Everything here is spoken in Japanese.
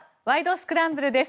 スクランブル」です。